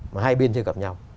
mà hai bên chơi gặp nhau